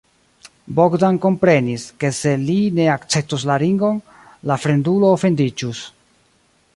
Bogdan komprenis, ke se li ne akceptus la ringon, la fremdulo ofendiĝus.